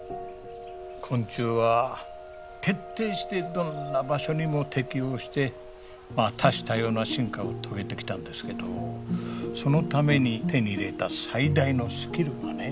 昆虫は徹底してどんな場所にも適応して多種多様な進化を遂げてきたんですけどそのために手に入れた最大のスキルがね